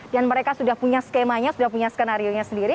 dan mereka sudah punya skemanya sudah punya skenario nya sendiri